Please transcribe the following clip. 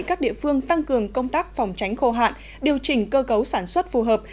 các địa phương tăng cường công tác phòng tránh khô hạn điều chỉnh cơ cấu sản xuất phù hợp